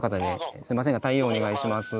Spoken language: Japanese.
すんませんが対応お願いします。